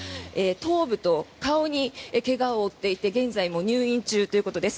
頭部と顔に怪我を負っていて現在も入院中ということです。